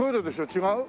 違う？